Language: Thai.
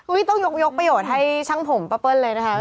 อู้ยต้องยกประโยชน์ให้ช่างโภมปลาเปิ้ลแหล่นนะคะ